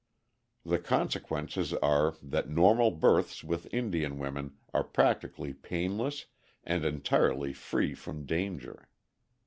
The consequences are that normal births with Indian women are practically painless and entirely free from danger.